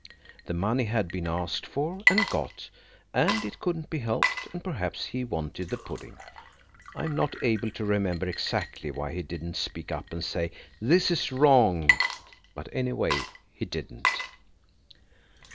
The money had been asked for and got, and it couldn't be helped–and perhaps he wanted the pudding–I am not able to remember exactly why he did not speak up and say, "This is wrong" but anyway he didn't.